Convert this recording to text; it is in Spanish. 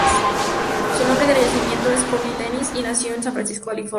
Su nombre de nacimiento es Courtenay Dennis, y nació en San Francisco, California.